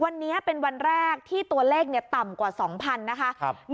วันนี้เป็นวันแรกที่ตัวเลขต่ำกว่า๒๐๐๐นะคะ